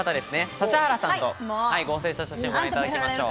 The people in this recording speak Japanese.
指原さんと合成した写真をご覧いただきましょう。